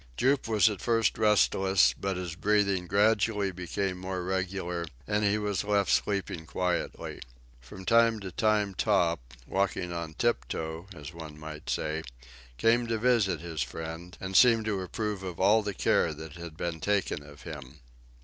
Jup was at first restless, but his breathing gradually became more regular, and he was left sleeping quietly. From time to time Top, walking on tip toe, as one might say, came to visit his friend, and seemed to approve of all the care that had been taken of him.